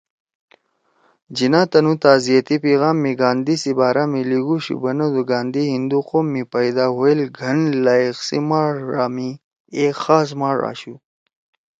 جناح تنُو تعزیتی پیغام می گاندھی سی بارا می لیگُوشُو بنَدو گاندھی ”ہندو قوم می پئیدا ہوئیل گھن لئیق سی ماݜا می ایک خاص ماݜ آشُو